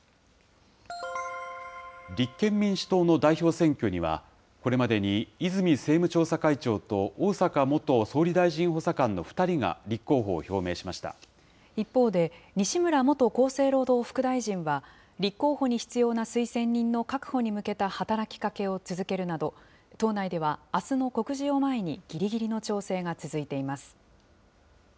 立憲民主党の代表選挙には、これまでに泉政務調査会長と逢坂元総理大臣補佐官の２人が立候補一方で、西村元厚生労働副大臣は、立候補に必要な推薦人の確保に向けた働きかけを続けるなど、党内ではあすの告示を前に、ぎりぎりの調整が続いています。